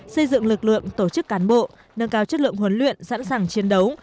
xây dựng lực lượng tổ chức cán bộ nâng cao chất lượng huấn luyện sẵn sàng chiến đấu